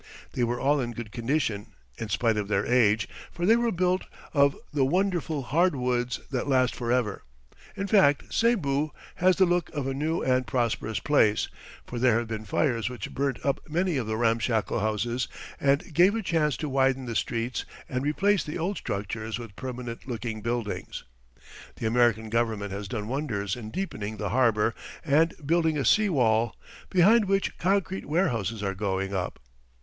They were all in good condition, in spite of their age, for they were built of the wonderful hard woods that last forever. In fact, Cebu has the look of a new and prosperous place, for there have been fires which burnt up many of the ramshackle houses and gave a chance to widen the streets and replace the old structures with permanent looking buildings. The American government has done wonders in deepening the harbour and building a sea wall, behind which concrete warehouses are going up.